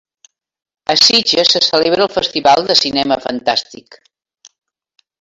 A Sitges se celebra el festival de cinema fantàstic.